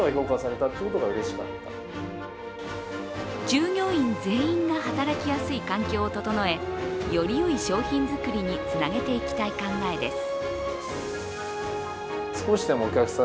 従業員全員が働きやすい環境を整えよりよい商品作りにつなげていきたい考えです。